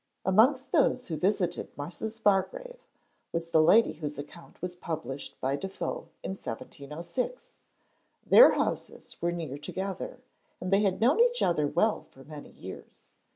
Amongst those who visited Mrs. Bargrave was the lady whose account was published by Defoe in 1706. Their houses were near together, and they had known each other well for many years.